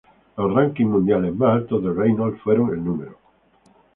Los rankings mundiales más altos de Reynolds fueron el No.